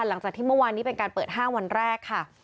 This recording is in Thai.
หลังจากที่เมื่อวานนี้เป็นการเปิด๕วันแรกค่ะ